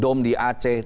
dom di aceh